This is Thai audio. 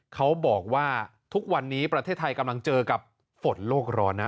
เขาบอกว่าทุกวันนี้ประเทศไทยกำลังเจอกับฝนโลกร้อนนะ